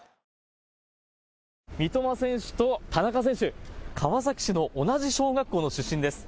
三笘選手と田中選手、川崎市の同じ小学校の出身です。